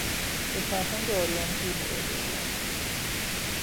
به فرهنگ آریانپور مراجعه کردن